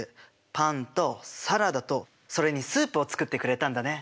パンとサラダとそれにスープを作ってくれたんだね。